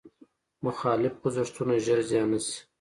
مخالف خوځښتونه ژر زیان نه شي.